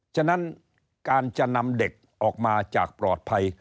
ฉะนั้นการจะนำเด็กออกมาจากปลอดภัย